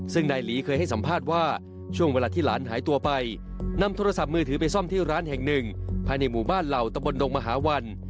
ซึ่งนายหลีเคยให้สัมภาษณ์ว่าช่วงเวลาที่หลานหายตัวไปนำโทรศัพท์มือถือไปซ่อมที่ร้านแห่งหนึ่งภายในหมู่บ้านเหล่าตะบนดงมหาวัน